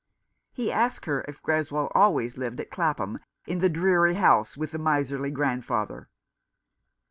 He asked her if Greswold always lived at Clapham, in the dreary house with the miserly grandfather.